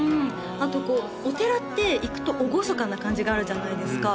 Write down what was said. あとお寺って行くと厳かな感じがあるじゃないですか